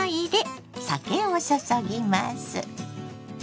酒を注ぎます。